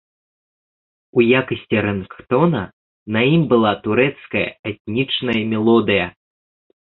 У якасці рынгтона на ім была турэцкая этнічная мелодыя.